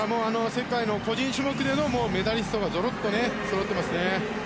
世界の個人種目でのメダリストがぞろっとそろってますね。